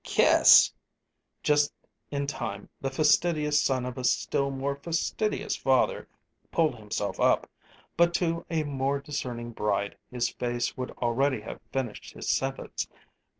Kiss " Just in time the fastidious son of a still more fastidious father pulled himself up; but to a more discerning bride, his face would already have finished his sentence.